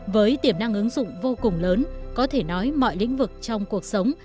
với tiềm năng ứng dụng vô cùng lớn có thể nói mọi lĩnh vực trong cuộc sống